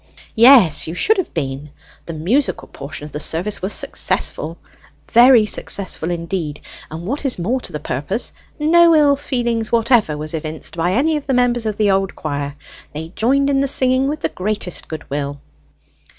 "Yes, you should have been. The musical portion of the service was successful very successful indeed; and what is more to the purpose, no ill feeling whatever was evinced by any of the members of the old choir. They joined in the singing with the greatest good will."